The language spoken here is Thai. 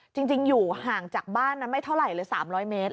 จริงอยู่ห่างจากบ้านนั้นไม่เท่าไหร่เลย๓๐๐เมตร